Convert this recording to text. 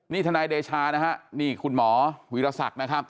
นี่ธนายเดชานี่คุณหมอวิรสักน์นะครับ